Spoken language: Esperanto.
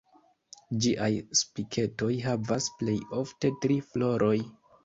Ĝiaj Spiketoj havas plej ofte tri floroj.